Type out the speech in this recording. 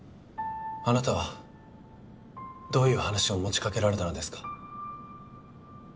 あなたはどういう話を持ち掛けられたのですか？